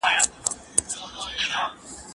زه هره ورځ کالي وچوم!.